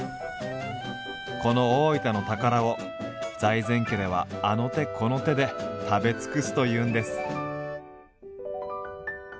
この大分の宝を財前家ではあの手この手で食べ尽くすというんです。